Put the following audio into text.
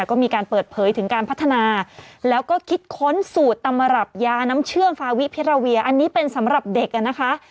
ก็มีการเปิดเผยถึงการพัฒนาแล้วก็คิดค้นสูตรตำรับยาน้ำเชื่อมฟาวิพิราเวียอันนี้เป็นสำหรับเด็กอ่ะนะคะ